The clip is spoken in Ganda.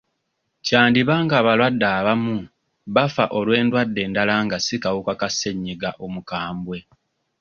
Kyandiba ng'abalwadde abamu bafa olw'endwadde endala nga si kawuka ka ssenyiga omukambwe.